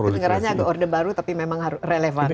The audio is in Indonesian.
tenggeranya agak order baru tapi memang relevan ya